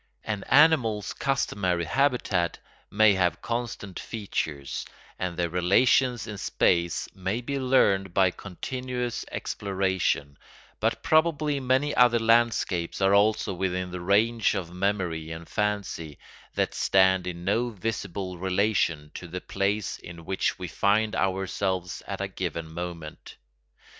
An animal's customary habitat may have constant features and their relations in space may be learned by continuous exploration; but probably many other landscapes are also within the range of memory and fancy that stand in no visible relation to the place in which we find ourselves at a given moment.